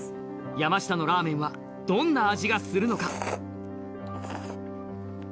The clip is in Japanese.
山下のラーメンはどんな味がするのか？